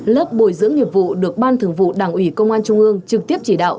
lớp bồi dưỡng nghiệp vụ được ban thường vụ đảng ủy công an trung ương trực tiếp chỉ đạo